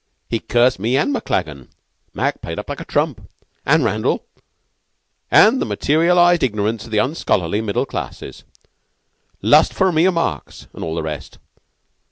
He cursed me and MacLagan (Mac played up like a trump) and Randall, and the 'materialized ignorance of the unscholarly middle classes,' 'lust for mere marks,' and all the rest.